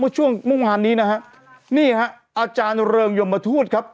เมื่อช่วงมุมฮานนี้นะครับนี่ครับอาจารย์เริงยมมาทูตครับ